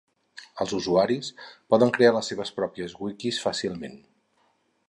Els usuaris poden crear les seves pròpies wikis fàcilment.